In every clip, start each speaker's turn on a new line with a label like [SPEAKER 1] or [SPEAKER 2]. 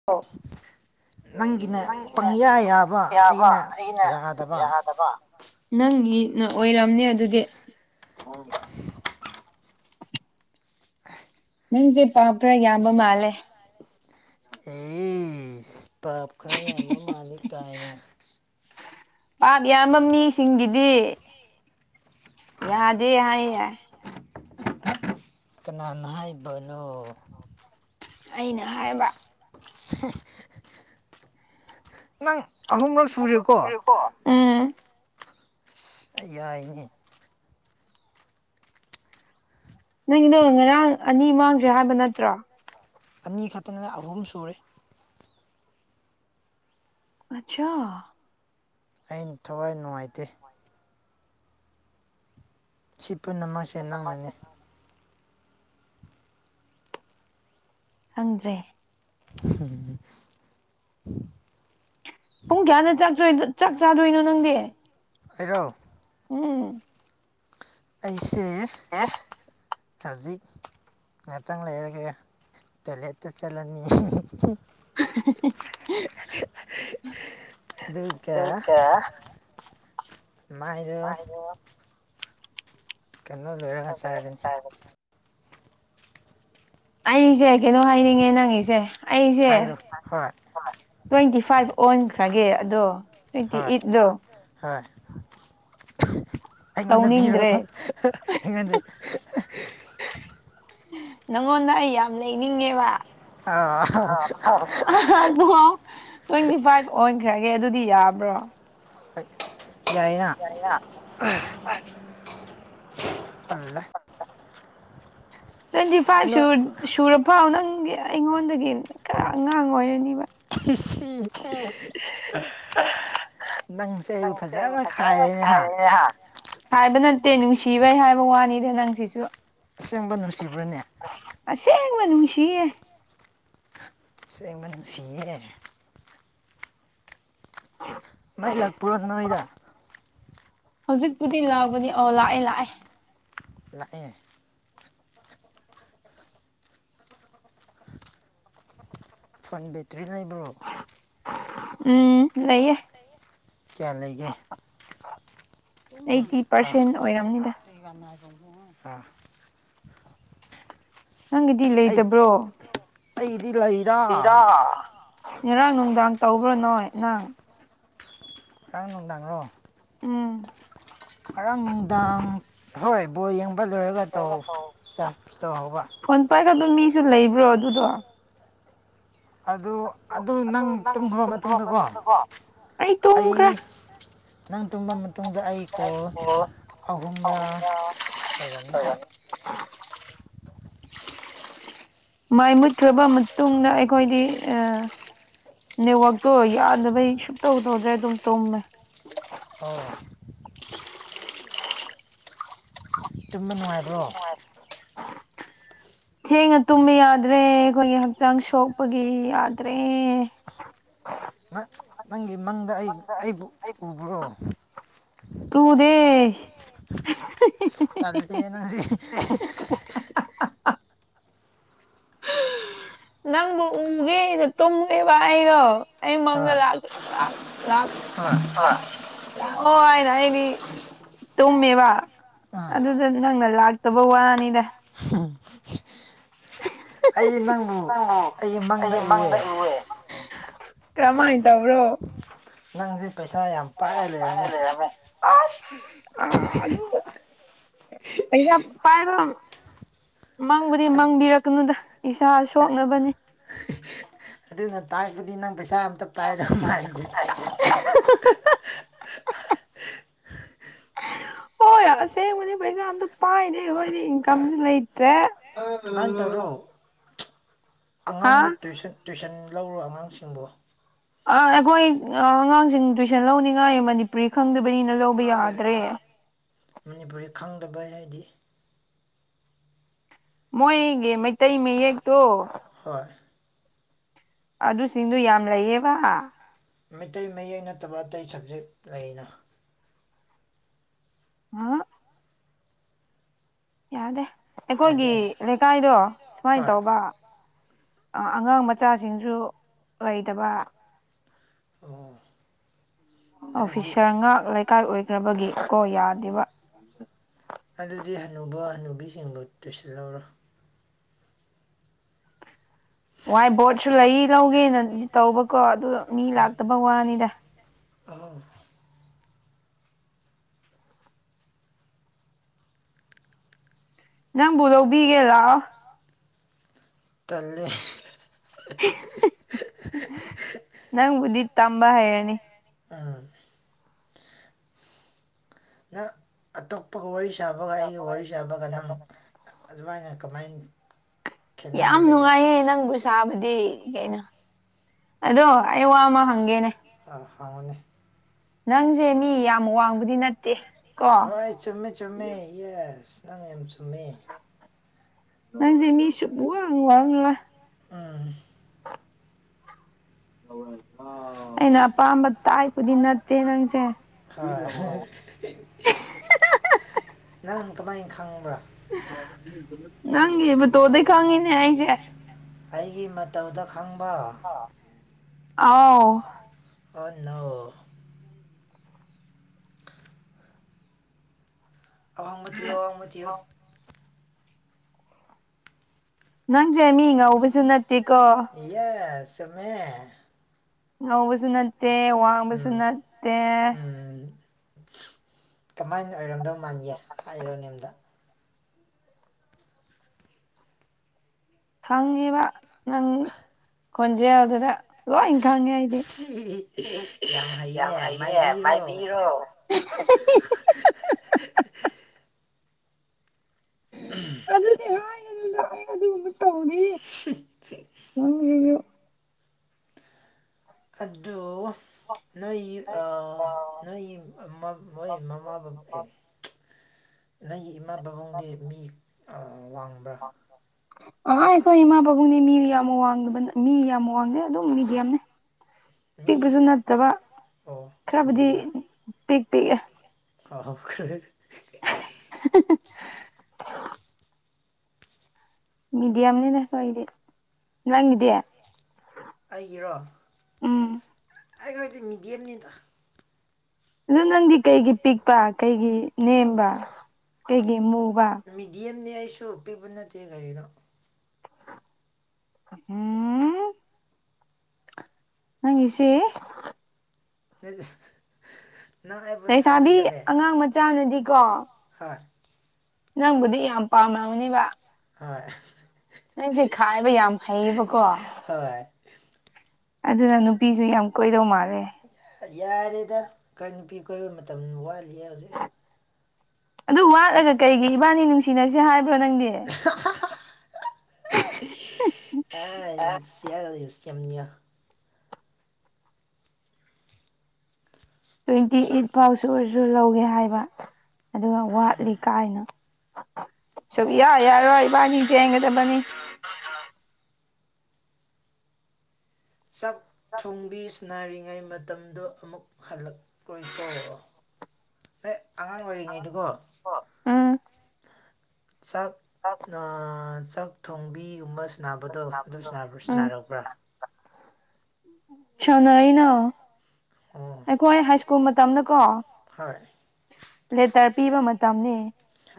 [SPEAKER 1] [unintelligible] ꯌꯥꯕ ꯑꯩꯅ ꯌꯥꯗꯕ꯫ ꯅꯪꯒꯤꯅ ꯑꯣꯏꯔꯝꯅꯤ ꯑꯗꯨꯗꯤ꯫ ꯅꯪꯖꯦ ꯄꯥꯞ ꯈꯔ ꯌꯥꯝꯕ ꯃꯥꯜꯂꯦ꯫
[SPEAKER 2] ꯑꯦꯁꯁ ꯄꯥꯞ ꯈꯔ ꯌꯥꯝꯕ ꯃꯥꯜꯂꯤ ꯀꯥꯏꯅ꯫
[SPEAKER 1] ꯄꯥꯞ ꯌꯥꯝꯕ ꯃꯤꯁꯤꯡꯒꯤꯗꯤ ꯌꯥꯗꯦ ꯍꯥꯏꯌꯦ꯫
[SPEAKER 2] ꯀꯅꯥꯅ ꯍꯥꯏꯕꯅꯣ꯫
[SPEAKER 1] ꯑꯩꯅ ꯍꯥꯏꯕ꯫
[SPEAKER 2] [unintelligible] ꯅꯪ ꯑꯍꯨꯝꯔꯛ ꯁꯨꯔꯦꯀꯣ꯫ ꯑꯩ ꯌꯥꯏꯅꯦ
[SPEAKER 1] ꯅꯪꯗꯣ ꯉꯔꯥꯡ ꯑꯅꯤ ꯃꯥꯡꯗ꯭ꯔꯦ ꯍꯥꯏꯕ ꯅꯠꯇ꯭ꯔꯣ
[SPEAKER 2] ꯑꯅꯤ ꯈꯛꯇꯪꯅꯦ ꯑꯍꯨꯝ ꯁꯨꯔꯦ
[SPEAKER 1] ꯑꯁꯥ
[SPEAKER 2] ꯑꯩꯅ ꯊꯋꯥꯏ ꯅꯨꯡꯉꯥꯏꯇꯦ ꯁꯤ ꯄꯨꯟꯅ ꯃꯥꯛꯁꯦ ꯅꯪꯅꯅꯦ
[SPEAKER 1] ꯈꯪꯗ꯭ꯔꯦ
[SPEAKER 2] [inaudible]
[SPEAKER 1] ꯄꯨꯡ ꯀꯌꯥꯗ ꯆꯛꯇꯣꯢꯅꯣ ꯆꯥꯛ ꯆꯥꯗꯣꯏꯅꯣ ꯅꯪꯗꯤ
[SPEAKER 2] ꯑꯩꯔꯣ
[SPEAKER 1] ꯎꯝ
[SPEAKER 2] ꯑꯩꯁꯦ ꯍꯧꯖꯤꯛ ꯉꯥꯛꯇꯪ ꯂꯩꯔꯒ ꯇꯣꯏꯂꯦꯠꯇ ꯆꯠꯂꯅꯤ ꯑꯗꯨꯒ ꯃꯥꯏꯗꯣ ꯀꯩꯅꯣ ꯂꯣꯏꯔꯒ ꯆꯥꯒꯅꯤ
[SPEAKER 1] ꯑꯩꯖꯦ ꯀꯩꯅꯣ ꯍꯥꯏꯅꯤꯡꯉꯦ ꯅꯪꯒꯤꯁꯦ ꯑꯩꯁꯦ ꯇ꯭ꯋꯦꯟꯇꯤ ꯐꯥꯏꯚ ꯑꯣꯟꯈ꯭ꯔꯒꯦ ꯑꯗꯣ
[SPEAKER 2] ꯍꯣꯏ ꯍꯣꯏ‌ ꯑꯩꯉꯣꯟꯗ ꯕꯤꯔꯣ ꯑꯩꯉꯣꯟꯗ
[SPEAKER 1] ꯅꯪꯉꯣꯟꯗ ꯑꯩ ꯌꯥꯝ ꯂꯩꯅꯤꯡꯉꯦꯕ ꯑꯗꯣ ꯇ꯭ꯋꯦꯟꯇꯤ ꯐꯥꯏꯚ ꯑꯣꯟꯈ꯭ꯔꯒꯦ ꯑꯗꯨꯗꯤ ꯌꯥꯕ꯭ꯔꯣ
[SPEAKER 2] ꯌꯥꯥꯏꯅꯥ ꯑꯜꯂꯦ
[SPEAKER 1] [unintelligible] ꯇ꯭ꯋꯦꯟꯇꯤ ꯐꯥꯏꯚꯁꯨ ꯁꯨꯔ ꯐꯥꯎ ꯅꯪꯒꯤ ꯑꯩꯉꯣꯟꯗꯒꯤ ꯈꯔ ꯑꯉꯥꯡ ꯑꯣꯏꯔꯅꯤꯕ
[SPEAKER 2] [unintelligible]
[SPEAKER 1] [unintelligible]
[SPEAKER 2] ꯅꯪꯁꯦ ꯑꯩꯕꯨ ꯐꯖꯅ ꯈꯥꯏꯔꯦꯅꯦ ꯍꯥ
[SPEAKER 1] ꯈꯥꯏꯕ ꯅꯠꯇꯦ ꯅꯨꯡꯁꯤꯕꯩ ꯍꯥꯏꯕ ꯋꯥꯅꯤꯗ ꯅꯪꯁꯤꯁꯨ
[SPEAKER 2] ꯑꯁꯦꯡꯕ ꯅꯨꯡꯁꯤꯕ꯭ꯔꯅꯦ
[SPEAKER 1] ꯑꯁꯦꯡꯕ ꯅꯨꯡꯁꯤꯌꯦ
[SPEAKER 2] ꯑꯁꯦꯡꯕ ꯅꯨꯡꯁꯤꯌꯦ
[SPEAKER 1] [unintelligible]
[SPEAKER 2] ꯃꯩ ꯂꯥꯛꯄꯔꯣ ꯅꯣꯏꯗ
[SPEAKER 1] ꯍꯧꯖꯤꯛꯄꯨꯗꯤ ꯂꯥꯛꯑꯕꯅꯤ ꯑꯣ ꯂꯥꯛꯑꯦ ꯂꯥꯛꯑꯦ
[SPEAKER 2] ꯂꯥꯛꯑꯦ ꯐꯣꯟ ꯕꯦꯇ꯭ꯔꯤ ꯂꯩꯕ꯭ꯔꯣ
[SPEAKER 1] ꯎꯝ ꯂꯩꯌꯦ ꯑꯩꯠꯇꯤ ꯄꯥꯔꯁꯦꯟ ꯑꯣꯏꯔꯝꯅꯤꯗ
[SPEAKER 2] [unintelligible]
[SPEAKER 1] ꯅꯪꯒꯤꯗꯤ ꯂꯩꯇꯕ꯭ꯔꯣ
[SPEAKER 2] ꯑꯩꯒꯤꯗꯤ ꯂꯩ
[SPEAKER 1] ꯏꯗꯥ ꯉꯔꯥꯡ ꯅꯨꯡꯗꯥꯡ ꯇꯧꯕ꯭ꯔꯣ ꯅꯣꯏ ꯅꯪ
[SPEAKER 2] ꯉꯔꯥꯡ ꯅꯨꯡꯗꯥꯡꯔꯣ
[SPEAKER 1] ꯎꯝ
[SPEAKER 2] ꯉꯔꯥꯡ ꯅꯨꯡꯗꯥꯡ ꯍꯣꯏ ꯕꯣꯜ ꯌꯦꯡꯕ ꯂꯣꯏꯔꯒ ꯇꯧ ꯆꯁ ꯇꯧꯍꯧꯕ
[SPEAKER 1] ꯐꯣꯟ ꯄꯥꯏꯈꯠꯄ ꯃꯤꯁꯨ ꯂꯩꯕ꯭ꯔꯣ ꯑꯗꯨꯗꯣ
[SPEAKER 2] ꯑꯗꯨ ꯑꯗꯨ ꯅꯪ ꯇꯨꯝꯈ꯭ꯔꯕ ꯃꯇꯨꯡꯗꯀꯣ ꯑꯩ ꯅꯪ ꯇꯨꯝꯕ ꯃꯇꯨꯡꯗ ꯑꯩ ꯀꯣꯜ ꯑꯍꯨꯝꯂꯥ ꯑꯣꯏꯔꯝꯅꯤ
[SPEAKER 1] ꯃꯩ ꯃꯨꯠꯈ꯭ꯔꯕ ꯃꯇꯨꯡꯗ ꯑꯩꯈꯣꯏꯗꯤ ꯑꯥ ꯅꯦꯠꯋꯥꯛꯇꯣ ꯌꯥꯗꯕꯩ ꯁꯨꯡꯇꯧ ꯇꯧꯗ꯭ꯔꯦ ꯑꯗꯨꯝ ꯇꯨꯝꯃꯦ
[SPEAKER 2] ꯑꯣ ꯇꯨꯝꯕ ꯅꯨꯡꯉꯥꯢ
[SPEAKER 1] ꯇꯨꯝꯕ ꯅꯨꯡꯉꯥꯢ ꯊꯦꯡꯅ ꯇꯨꯝꯕ ꯌꯥꯗ꯭ꯔꯦ ꯑꯩꯈꯣꯏꯒꯤ ꯍꯛꯆꯥꯡ ꯁꯣꯛꯄꯒꯤ ꯌꯥꯗ꯭ꯔꯦ
[SPEAKER 2] ꯅꯪ ꯅꯪꯒꯤ ꯃꯪꯗ ꯑꯩꯕꯨ ꯎꯕ꯭ꯔꯣ
[SPEAKER 1] ꯎꯗꯦ
[SPEAKER 2] ꯇꯜꯂꯦ ꯅꯪꯖꯦ
[SPEAKER 1] ꯅꯪꯕꯨ ꯎꯒꯦꯅ ꯇꯨꯝꯃꯦꯕ ꯑꯩꯗꯣ ꯑꯩ ꯃꯪꯗ ꯂꯥꯛ ꯂꯥꯛ ꯂꯥꯛ ꯂꯥꯛꯑꯣ ꯍꯥꯏꯅ ꯑꯩꯗꯤ ꯇꯨꯝꯃꯦꯕ ꯑꯗꯨꯗ ꯅꯪꯅ ꯂꯥꯛꯇꯕ ꯋꯥꯅꯤꯗ ꯅꯪꯕꯨ ꯑꯩ ꯃꯪꯗ ꯎꯑꯦ ꯀꯃꯥꯢ ꯇꯧꯕ꯭ꯔꯣ
[SPEAKER 2] ꯅꯪꯁꯦ ꯄꯩꯁꯥ ꯌꯥꯝ ꯄꯥꯏꯔ ꯂꯩꯔꯝꯃꯦ
[SPEAKER 1] ꯑꯁ ꯑ ꯑꯗꯨ ꯄꯩꯁꯥ ꯄꯥꯏꯕ ꯃꯪꯕꯨꯗꯤ ꯃꯥꯡꯕꯤꯔꯛꯀꯅꯨꯗ ꯏꯁꯥ ꯁꯣꯛꯅꯕꯅꯤ
[SPEAKER 2] ꯑꯗꯨꯅ ꯇꯥꯛꯄꯗꯤ ꯅꯪ ꯄꯩꯁꯥ ꯑꯝꯇ ꯄꯥꯏꯗ ꯃꯥꯟꯗꯦꯗꯥ
[SPEAKER 1] [unintelligible] ꯍꯣꯏ ꯑꯁꯦꯡꯕꯅꯤ ꯄꯩꯁꯥ ꯑꯝꯇ ꯄꯥꯏꯗꯦ ꯑꯩꯈꯣꯏꯗꯤ ꯏꯟꯀꯝꯁꯨ ꯂꯩꯇꯦ [unintelligible]
[SPEAKER 2] ꯑꯉꯥꯡꯗꯨ ꯇꯨꯏꯁꯟ ꯇꯨꯏꯁꯟ ꯂꯧꯔꯣ ꯑꯉꯥꯡꯁꯤꯡꯕꯨ
[SPEAKER 1] ꯑꯥ ꯑꯈꯣꯏ ꯑꯉꯥꯡꯁꯤꯡ ꯇꯨꯏꯁꯟ ꯂꯧꯅꯤꯡꯉꯥꯏ ꯃꯅꯤꯄꯨꯔꯤ ꯈꯪꯗꯕꯅꯤꯅ ꯂꯧꯕ ꯌꯥꯗ꯭ꯔꯦ
[SPEAKER 2] ꯃꯅꯤꯄꯨꯔꯤ ꯈꯪꯗꯕꯩ ꯍꯥꯏꯗꯤ
[SPEAKER 1] ꯃꯣꯏꯒꯤ ꯃꯩꯇꯩ ꯃꯌꯦꯛꯇꯣ
[SPEAKER 2] ꯍꯣꯏ
[SPEAKER 1] ꯑꯗꯨꯁꯤꯡꯗꯨ ꯌꯥꯝ ꯂꯩꯌꯦꯕ
[SPEAKER 2] ꯃꯩꯇꯩ ꯃꯌꯦꯛ ꯅꯠꯇꯕ ꯑꯇꯩ ꯁꯕꯖꯦꯛ ꯂꯩꯅ
[SPEAKER 1] [unintelligible] ꯌꯥꯗꯦ ꯑꯩꯈꯣꯏꯒꯤ ꯂꯩꯀꯥꯏꯗꯣ ꯁꯨꯃꯥꯏꯅ ꯇꯧꯕ ꯑꯉꯥꯡ ꯃꯆꯥꯁꯤꯡꯁꯨ ꯂꯩꯇꯕ
[SPEAKER 2] ꯑꯣ
[SPEAKER 1] ꯑꯣꯐꯤꯁꯥꯔ ꯉꯥꯛ ꯂꯩꯀꯥꯏ ꯑꯣꯏꯈ꯭ꯔꯕꯒꯤ ꯀꯣ ꯌꯥꯗꯦꯕ
[SPEAKER 2] ꯑꯗꯨꯗꯤ ꯍꯅꯨꯕ ꯍꯅꯨꯕꯤꯁꯤꯡꯕꯨ ꯇꯨꯏꯁꯜ ꯂꯧꯔꯣ
[SPEAKER 1] ꯋꯥꯏꯠ ꯕꯣꯔꯗꯁꯨ ꯂꯩ ꯂꯧꯒꯦꯅꯗꯤ ꯇꯧꯕꯀꯣ ꯑꯗꯨ ꯃꯤ ꯂꯥꯛꯇꯕ ꯋꯥꯅꯤꯗ
[SPEAKER 2] ꯑꯣꯍ
[SPEAKER 1] ꯅꯪꯕꯨ ꯂꯧꯕꯤꯒꯦ ꯂꯥꯛꯑꯣ
[SPEAKER 2] ꯇꯜꯂꯦ
[SPEAKER 1] ꯅꯪꯕꯨꯗꯤ ꯇꯝꯕ ꯍꯩꯔꯅꯤ
[SPEAKER 2] ꯑꯝ ꯑꯇꯣꯞꯄꯒ ꯋꯥꯔꯤ ꯁꯥꯕꯒ ꯑꯩꯒ ꯋꯥꯔꯤ ꯁꯥꯕꯒ ꯅꯪ ꯑꯗꯨꯃꯥꯏꯅ ꯀꯃꯥꯏ
[SPEAKER 1] ꯌꯥꯝ ꯅꯨꯡꯉꯥꯏꯌꯦ ꯅꯪꯕꯨꯁꯨ ꯆꯥꯕꯗꯤ ꯀꯩꯅꯣ ꯑꯗꯣ ꯑꯩ ꯋꯥ ꯑꯃ ꯍꯪꯒꯦꯅꯦ
[SPEAKER 2] ꯑꯥ ꯍꯪꯉꯨꯅꯦ
[SPEAKER 1] ꯅꯪꯁꯦ ꯃꯤ ꯌꯥꯝ ꯋꯥꯡꯕꯗꯤ ꯅꯠꯇꯦ
[SPEAKER 2] ꯍꯣꯏ ꯆꯨꯝꯃꯦ ꯆꯨꯝꯃꯦ ꯌꯦꯁ ꯅꯪ ꯌꯥꯝ ꯆꯨꯝꯃꯦ
[SPEAKER 1] ꯅꯪꯁꯦ ꯃꯤꯁꯨ [unintelligible]
[SPEAKER 2] ꯑꯝ
[SPEAKER 1] ꯑꯩꯅ ꯑꯄꯥꯝꯕ ꯇꯥꯏꯞꯄꯨꯗꯤ ꯅꯠꯇꯦ ꯅꯪꯁꯦ
[SPEAKER 2] ꯍꯣꯏ ꯅꯪ ꯀꯃꯥꯏꯅ ꯈꯪꯕ꯭ꯔꯥ
[SPEAKER 1] ꯅꯪꯒꯤ ꯐꯣꯇꯣꯗꯪ ꯈꯪꯉꯤꯅꯦ ꯑꯩꯁꯦ
[SPEAKER 2] ꯑꯩꯒꯤ ꯃꯇꯧꯗ ꯈꯪꯕ
[SPEAKER 1] ꯑꯥꯎ
[SPEAKER 2] ꯑꯣ ꯅꯣ ꯑꯋꯥꯡꯕ ꯊꯤꯌꯣ ꯑꯋꯥꯡꯕ ꯊꯤꯌꯣ
[SPEAKER 1] ꯅꯪꯁꯦ ꯃꯤ ꯉꯧꯕꯁꯨ ꯅꯠꯇꯦꯀꯣ
[SPEAKER 2] ꯍꯦꯁ ꯆꯝꯃꯦ
[SPEAKER 1] ꯉꯧꯕꯁꯨ ꯅꯠꯇꯦ ꯋꯥꯡꯕꯁꯨ ꯅꯠꯇꯦ
[SPEAKER 2] ꯀꯃꯥꯏꯅ ꯑꯣꯏꯔꯝꯗꯧ ꯃꯥꯟꯒꯦ ꯍꯥꯏꯂꯣꯅ ꯑꯝꯗ
[SPEAKER 1] ꯈꯪꯉꯤꯕ ꯅꯪ ꯈꯣꯟꯖꯦꯜꯗꯨꯗ ꯂꯣꯏ ꯈꯪꯉꯦ ꯑꯩꯗꯤ ꯌꯥꯝ ꯍꯩꯌꯦ ꯃꯥꯏꯕꯤꯔꯣ
[SPEAKER 2] ꯎꯝ
[SPEAKER 1] ꯑꯩꯅ ꯑꯗꯨꯒꯨꯝꯕ ꯇꯧꯗꯦ ꯅꯪꯁꯤꯁꯨ
[SPEAKER 2] ꯑꯗꯨ ꯅꯣꯏꯒꯤ ꯑ ꯅꯣꯏꯒꯤ [unintelligible] ꯅꯪꯒꯤ ꯏꯃꯥ ꯕꯥꯥꯕꯨꯡꯗꯤ ꯃꯤ ꯋꯥꯡꯕ꯭ꯔꯥ
[SPEAKER 1] [inaudible] ꯑ ꯑꯩꯈꯣꯏ ꯏꯃꯥ ꯄꯥꯕꯨꯡꯅꯤ ꯃꯤ ꯌꯥꯝ ꯋꯥꯡꯗꯕ ꯃꯤ ꯌꯥꯝ ꯋꯥꯡꯗꯦ ꯑꯗꯨꯝ ꯃꯤꯗꯤꯌꯝꯅꯤ ꯄꯤꯛꯄꯁꯨ ꯅꯠꯇꯕ ꯈꯔꯕꯨꯗꯤ ꯄꯤꯛ ꯄꯤꯛꯑꯦ
[SPEAKER 2] ꯀꯥꯎꯈ꯭ꯔꯦ
[SPEAKER 1] [inaudible] ꯃꯤꯦꯗꯤꯌꯝꯅꯤ ꯈꯣꯏꯒꯤꯗꯤ ꯅꯪꯉꯗꯤ
[SPEAKER 2] ꯑꯩꯒꯤꯔꯣ ꯑꯩꯈꯣꯏꯗꯤ ꯃꯤꯗꯤꯌꯝꯅꯤꯗ
[SPEAKER 1] ꯑꯗꯣ ꯅꯪꯗꯤ ꯀꯩꯒꯤ ꯄꯤꯛꯄ ꯀꯩꯒꯤ ꯅꯦꯝꯕ ꯀꯩꯒꯤ ꯃꯨꯕ
[SPEAKER 2] ꯃꯤꯗꯤꯌꯝꯅꯦ ꯑꯩꯁꯨ ꯄꯤꯛꯕ ꯅꯠꯇꯦ ꯒꯥꯔꯤꯅꯣ
[SPEAKER 1] ꯎꯝ ꯅꯪꯒꯤꯁꯤ
[SPEAKER 2] ꯍꯦ
[SPEAKER 1] ꯂꯩꯁꯥꯕꯤ ꯑꯉꯥꯡ ꯃꯆꯥꯅꯗꯤꯀꯣ
[SPEAKER 2] ꯍꯣꯏ
[SPEAKER 1] ꯅꯪꯕꯨꯗꯤ ꯌꯥꯝ ꯄꯥꯝꯅꯕꯅꯦꯕ
[SPEAKER 2] ꯍꯣꯏ
[SPEAKER 1] ꯅꯪꯁꯦ ꯈꯥꯏꯕ ꯌꯥꯝ ꯍꯩꯌꯦꯕꯀꯣ
[SPEAKER 2] ꯍꯣꯏ
[SPEAKER 1] ꯑꯗꯨꯅ ꯅꯨꯄꯤꯁꯨ ꯌꯥꯝ ꯀꯣꯏꯗꯧ ꯃꯥꯜꯂꯦ
[SPEAKER 2] ꯌꯥꯔꯦꯗ ꯑꯩꯥꯏ ꯅꯨꯄꯤ ꯀꯣꯏꯕ ꯃꯇꯝ ꯋꯥꯠꯂꯤꯑ ꯍꯧꯖꯤꯛ
[SPEAKER 1] ꯑꯗꯨ ꯋꯥꯠꯂꯒ ꯀꯩꯒꯤ ꯏꯕꯥꯅꯤ ꯅꯨꯡꯁꯤꯅꯁꯦ ꯍꯥꯏꯕ꯭ꯔ ꯅꯪꯗꯤ
[SPEAKER 2] ꯑꯥꯏꯁ [unintelligible]
[SPEAKER 1] ꯇ꯭ꯋꯦꯟꯇꯤ ꯑꯩꯠ ꯐꯥꯎꯁꯨ ꯑꯣꯏꯔꯁꯨ ꯂꯧꯒꯦ ꯍꯥꯏꯕ ꯑꯗꯨꯒ ꯋꯥꯠꯂꯤ ꯀꯥꯏꯅ ꯁꯨꯛꯌꯥ ꯌꯥꯔꯣꯏ ꯏꯕꯥꯅꯤ ꯆꯦꯟꯒꯗꯕꯅꯤ
[SPEAKER 2] ꯁꯛ ꯊꯣꯡꯕꯤꯁ ꯅꯥꯔꯤꯉꯩ ꯃꯇꯝꯗꯣ ꯑꯃꯨꯛ ꯍꯜꯂꯛꯑꯣꯣꯏꯊꯔꯛꯑꯣ ꯍꯦ ꯑꯉꯥꯡ ꯑꯣꯏꯔꯤꯉꯩꯗꯨꯀꯣ
[SPEAKER 1] ꯎꯝ
[SPEAKER 2] ꯆꯠ
[SPEAKER 1] ꯑ
[SPEAKER 2] ꯆꯥꯛ ꯊꯣꯡꯕꯤꯒꯨꯝꯕ ꯁꯕꯗꯣ ꯑꯗꯨꯝ ꯁꯤꯅꯥꯛꯔꯕ꯭ꯔꯥ
[SPEAKER 1] ꯁꯥꯅꯩꯅꯣ ꯑꯩꯈꯣꯏ ꯍꯥꯏ ꯁ꯭ꯀꯨꯜ ꯃꯇꯝꯗ ꯀꯣ
[SPEAKER 2] ꯍꯣꯏ
[SPEAKER 1] ꯂꯦꯇꯔ ꯄꯤꯕ ꯃꯇꯝꯅꯦ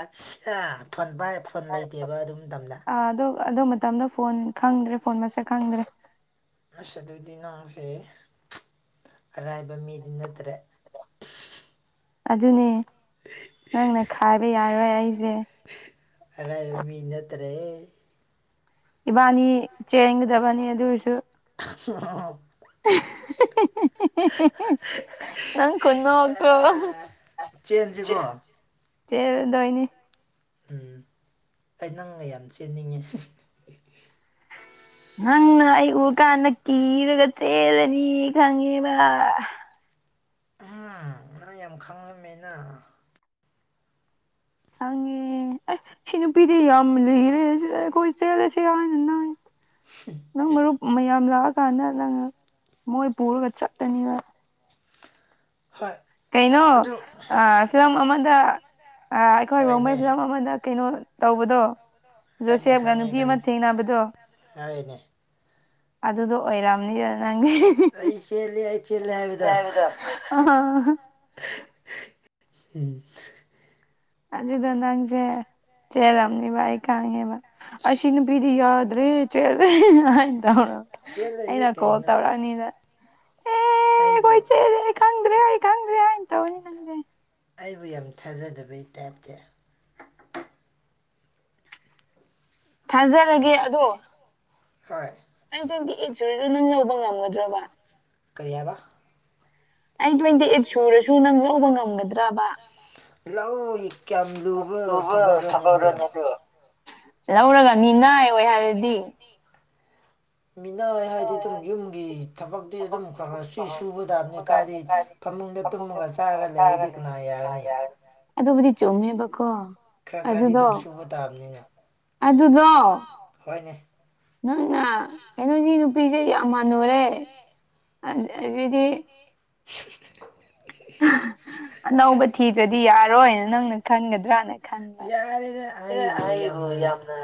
[SPEAKER 2] ꯑꯁ ꯆꯥ ꯐꯣꯟ ꯚꯥꯏ ꯐꯣꯟ ꯂꯩꯇꯦꯕ ꯑꯗꯨꯝ ꯃꯇꯝꯗ
[SPEAKER 1] ꯑꯗꯨ ꯑꯗꯨ ꯃꯇꯝꯗ ꯐꯣꯟ ꯈꯪꯗ꯭ꯔꯦ ꯐꯣꯟ ꯃꯁꯛ ꯈꯪꯗ꯭ꯔꯦ
[SPEAKER 2] ꯑꯁ ꯑꯗꯨꯗꯤ ꯅꯥꯡꯁꯦ ꯑꯔꯥꯏꯕ ꯃꯤꯗꯤ ꯅꯠꯇ꯭ꯔꯦ
[SPEAKER 1] ꯑꯗꯨꯅꯦ ꯅꯪꯅ ꯈꯥꯏꯕ ꯌꯥꯔꯣꯏ ꯑꯩꯁꯦ
[SPEAKER 2] ꯑꯂꯥꯏ ꯕꯃꯤꯅꯇꯔꯦꯍꯦ
[SPEAKER 1] ꯏꯕꯥꯅꯤ ꯆꯦꯟꯒꯗꯕꯅꯤ ꯑꯗꯨ ꯑꯣꯏꯔꯁꯨ
[SPEAKER 2] [inaudible]
[SPEAKER 1] [unintelligible] ꯅꯪ ꯈꯨꯟꯅꯣꯛꯇꯣ ꯆꯦꯟꯗꯣꯏꯅꯤ
[SPEAKER 2] ꯎꯝ ꯑꯩ ꯅꯪꯒ ꯌꯥꯝ ꯆꯦꯟꯅꯤꯡꯉꯦ
[SPEAKER 1] ꯅꯪꯅ ꯑꯩ ꯎ ꯀꯥꯟꯗ ꯀꯤꯔꯒ ꯆꯦꯜꯂꯅꯤ ꯈꯪꯉꯦꯕ
[SPEAKER 2] ꯑꯥꯝ ꯅꯪꯗꯤ ꯌꯥꯝ ꯈꯪꯉꯝꯃꯦꯅ
[SPEAKER 1] ꯈꯪꯉꯦ ꯑꯁ ꯁꯤ ꯅꯨꯄꯤꯗꯤ ꯌꯥꯝ ꯂꯩꯔꯦ ꯑꯩꯈꯣꯏ ꯆꯦꯜꯂꯁꯦ ꯍꯥꯏꯅ ꯅꯪ ꯅꯪ ꯃꯔꯨꯞ ꯃꯌꯥꯝ ꯂꯥꯛꯑꯀꯥꯟꯗ ꯅꯪ ꯃꯣꯏ ꯄꯨꯔꯒ ꯆꯥꯠꯂꯅꯤ ꯅꯪ
[SPEAKER 2] ꯍꯣꯏ
[SPEAKER 1] ꯀꯩꯅꯣ ꯐꯤꯂꯝ ꯑꯃꯗ ꯑꯩꯈꯣꯏ ꯔꯣꯡꯃꯩ ꯐꯤꯂꯝ ꯑꯃꯗ ꯀꯩꯅꯣ ꯇꯧꯕꯗꯣ ꯖꯣꯁꯦꯞꯅ ꯅꯨꯄꯤ ꯑꯃ ꯊꯦꯡꯅꯕꯗꯣ ꯑꯗꯨꯗꯣ ꯑꯣꯏꯔꯝꯅꯤꯗ ꯅꯪꯗꯤ
[SPEAKER 2] ꯑꯩ ꯆꯤꯟꯂꯦ ꯑꯩ
[SPEAKER 1] ꯆꯦꯟꯂꯦ ꯍꯥꯢꯕꯗꯣ
[SPEAKER 2] ꯎꯝ
[SPEAKER 1] ꯑꯗꯨꯗꯣ ꯅꯪꯁꯦ ꯆꯦꯜꯂꯝꯅꯤꯕ ꯑꯩ ꯈꯪꯉꯦꯕ ꯑꯁꯤ ꯅꯨꯄꯤꯗꯤ ꯌꯥꯗ꯭ꯔꯦ ꯆꯦꯟꯂꯦ ꯍꯥꯢꯅ ꯇꯧ ꯑꯩꯅ ꯀꯣꯜ ꯇꯧꯔꯛꯑꯅꯤꯅ
[SPEAKER 2] ꯑꯩꯕꯨ
[SPEAKER 1] ꯆꯦꯜꯂꯦ ꯑꯩ ꯈꯪꯗ꯭ꯔꯦ ꯈꯪꯗ꯭ꯔꯦ ꯍꯥꯏꯅꯥ ꯇꯧꯅꯦ ꯅꯪꯁꯦ
[SPEAKER 2] ꯑꯩꯕꯨ ꯌꯥꯝ ꯊꯥꯖꯗꯕꯩ ꯇꯥꯏꯞꯇ
[SPEAKER 1] ꯊꯥꯖꯔꯒꯦ ꯑꯗꯣ ꯑꯩ ꯇꯨꯋꯦꯟꯇꯤ ꯌꯦꯠ ꯁꯨꯔꯁꯨ ꯅꯪ ꯂꯧꯕ ꯉꯝꯒꯗ꯭ꯔꯣꯕ
[SPEAKER 2] ꯀꯩ ꯍꯥꯢꯕ
[SPEAKER 1] ꯑꯩ ꯇꯨꯋꯦꯟꯇꯤ ꯌꯦꯠ ꯁꯨꯔꯁꯨ ꯅꯪ ꯂꯧꯕ ꯉꯝꯒꯗ꯭ꯔꯕ
[SPEAKER 2] ꯂꯧ ꯀꯌꯥꯝ ꯂꯨꯕ ꯊꯕꯛꯔꯣꯅꯦ ꯑꯗꯣ
[SPEAKER 1] ꯂꯧꯔꯒ ꯃꯤꯅꯥꯏ ꯑꯣꯏꯍꯥꯜꯂꯗꯤ
[SPEAKER 2] ꯃꯤꯅꯥꯏ ꯍꯥꯏꯗꯤ ꯑꯗꯨꯝ ꯌꯨꯝꯒꯤ ꯊꯕꯛꯇꯤ ꯑꯗꯨꯝ ꯈꯔ ꯈꯔ ꯁꯨ ꯁꯨꯕꯗꯕꯅꯤ ꯀꯥꯏꯗꯤ ꯐꯃꯨꯡꯗ ꯇꯨꯝꯃꯒ ꯆꯥꯔꯒ ꯂꯩꯒꯦꯗꯤ ꯀꯅꯅꯥ ꯌꯥꯒꯅꯤ
[SPEAKER 1] ꯑꯗꯨꯕꯨꯗꯤ ꯆꯨꯝꯃꯦꯕꯀꯣ
[SPEAKER 2] ꯈꯔ ꯈꯔꯗꯤ ꯑꯗꯨꯝ ꯁꯨꯕ ꯇꯥꯕꯅꯤꯅ ꯍꯣꯏꯅꯦ
[SPEAKER 1] ꯅꯪꯅ ꯀꯩꯅꯣꯁꯤ ꯅꯨꯄꯤꯁꯦ ꯌꯥꯝ ꯍꯥꯟꯅꯨꯔꯦ ꯑꯁꯤꯗꯤ ꯑꯅꯧꯕ ꯊꯤꯗ꯭ꯔꯗꯤ ꯌꯥꯔꯣꯏꯅ ꯅꯪꯅ ꯈꯟꯒꯗ꯭ꯔꯥꯅ ꯈꯟꯕ ꯑꯩꯕꯨ ꯌꯥꯝꯅ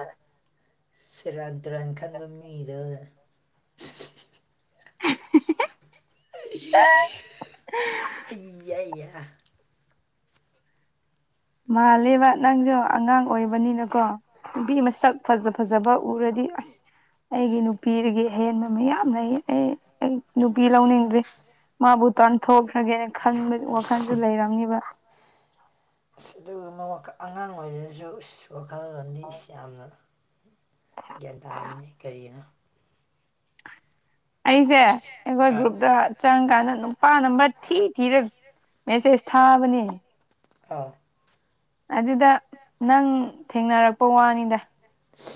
[SPEAKER 2] ꯁꯤꯔꯥꯟ ꯇꯨꯔꯥꯟ ꯈꯟꯕ ꯃꯤꯗꯧꯅ
[SPEAKER 1] [inaudible]
[SPEAKER 2] ꯑꯩ ꯑ ꯌꯥ [inaudible]
[SPEAKER 1] ꯃꯥꯜꯂꯦꯕ ꯅꯪꯁꯨ ꯑꯉꯥꯡ ꯑꯣꯏꯕꯅꯤꯅꯀꯣ ꯅꯨꯕꯤ ꯃꯁꯛ ꯐꯖ ꯐꯖꯕ ꯎꯔꯗꯤ ꯑꯁ ꯑꯩꯒꯤ ꯅꯨꯄꯤꯗꯒꯤ ꯑꯍꯦꯟꯕ ꯃꯌꯥꯝ ꯂꯩ ꯑꯩ ꯅꯨꯄꯤ ꯂꯧꯅꯤꯡꯗ꯭ꯔꯦ ꯃꯥꯕꯨ ꯇꯥꯟꯊꯣꯛꯈ꯭ꯔꯒꯦꯅ ꯈꯟꯕ ꯋꯥꯈꯜꯁꯨ ꯂꯩꯔꯝꯃꯤꯕ
[SPEAKER 2] ꯑꯁ ꯑꯗꯨꯒꯨꯝꯕ ꯋꯥꯈꯜ ꯑꯉꯥꯡ ꯑꯣꯏꯔꯤꯖꯨ ꯋꯥꯈꯜꯂꯣꯟꯗꯤ ꯌꯥꯝꯅ ꯒ꯭ꯌꯥꯟ ꯇꯥꯕꯅꯤ ꯀꯔꯤꯅꯣ
[SPEAKER 1] ꯑꯩꯖꯦ ꯑꯩꯈꯣꯏ ꯒ꯭ꯔꯨꯞꯇ ꯆꯪ ꯀꯥꯟꯗ ꯃꯥꯅ ꯃꯊꯤ ꯊꯤꯔꯒ ꯃꯦꯁꯦꯁ ꯊꯥꯕꯅꯦ
[SPEAKER 2] ꯑꯥ
[SPEAKER 1] ꯑꯗꯨꯗ ꯅꯪ ꯊꯦꯡꯅꯔꯛꯄ ꯋꯥꯅꯤꯗ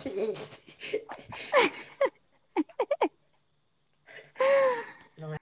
[SPEAKER 2] ꯢꯁ
[SPEAKER 1] [unintelligible]